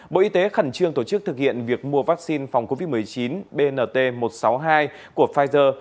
bộ y tế khẩn trương tổ chức thực hiện việc mua vaccine phòng covid một mươi chín bnt một trăm sáu mươi hai của pfizer